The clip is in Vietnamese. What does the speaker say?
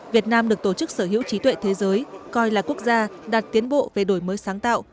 việt nam được tổ chức sở hữu trí tuệ thế giới coi là quốc gia đạt tiến bộ về đổi mới sáng tạo